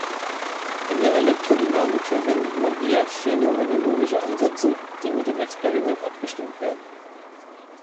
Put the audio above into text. In der Elektrodynamik verwendet man eher phänomenologische Ansätze, die mit dem Experiment abgestimmt werden.